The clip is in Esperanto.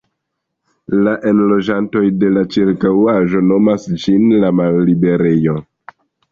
La enloĝantoj de la ĉirkaŭaĵo nomas ĝin "la malliberejo".